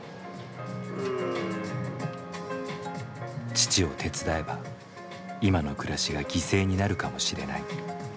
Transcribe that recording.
父を手伝えば今の暮らしが犠牲になるかもしれない。